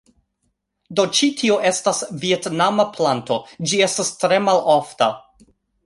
Do, ĉi tio estas vjetnama planto ĝi estas tre malofta